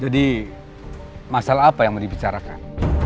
jadi masalah apa yang mau dibicarakan